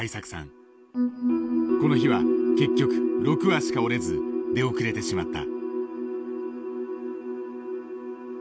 この日は結局６羽しか折れず出遅れてしまった。